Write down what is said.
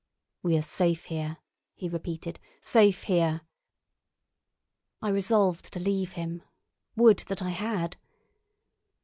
"We are safe here," he repeated; "safe here." I resolved to leave him—would that I had!